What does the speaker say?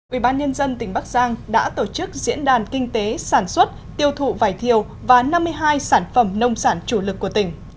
ủy ban nhân dân tỉnh bắc giang đã tổ chức diễn đàn kinh tế sản xuất tiêu thụ vải thiều và năm mươi hai sản phẩm nông sản chủ lực của tỉnh